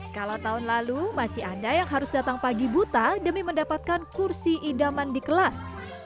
kalau tahun lalu masih ada yang harus datang pagi buta demi mendapatkan kursi idaman di kelas